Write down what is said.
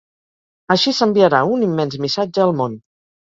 Així s’enviarà un immens missatge al món!